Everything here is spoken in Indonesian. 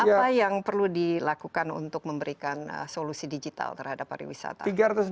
apa yang perlu dilakukan untuk memberikan solusi digital terhadap pariwisata